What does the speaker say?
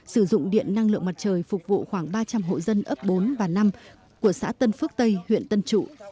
sử dụng điện năng lượng mặt trời phục vụ khoảng ba trăm linh hộ dân ấp bốn và năm của xã tân phước tây huyện tân trụ